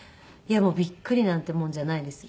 もうびっくりなんてもんじゃないです。